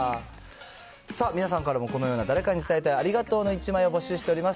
さあ、皆さんからのこのような誰かに伝えたいありがとうの１枚を募集しております。